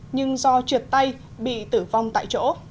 nhưng do trượt tay bị tử vong tại chỗ